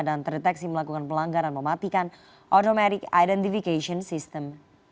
dan terdeteksi melakukan pelanggaran mematikan automatic identification system